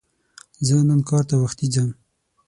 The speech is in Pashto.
زه نن کار ته وختي ځم